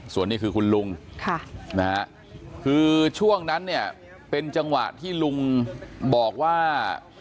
ส่วนนี้คือคุณลุงคือช่วงนั้นเนี่ยเป็นจังหวะที่ลุงบอกว่า